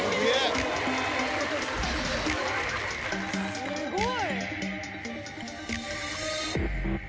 すごい！